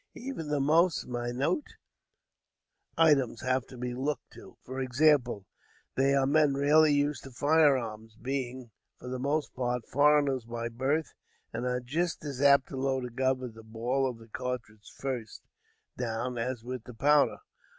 Even the most minute items have to be looked to; for example, they are men rarely used to fire arms, being, for the most part, foreigners by birth, and are just as apt to load a gun with the ball of the cartridge first down, as with the powder.